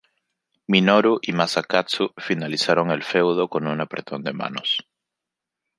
Minoru y Masakatsu finalizaron el feudo con un apretón de manos.